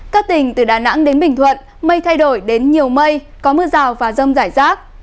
các tỉnh từ đà nẵng đến bình thuận mây thay đổi đến nhiều mây có mưa rào và rông rải rác